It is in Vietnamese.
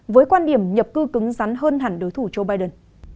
với quan điểm nhập cư cứng rắn hơn hẳn đối thủ joe biden